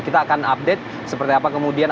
kita akan update seperti apa kemudian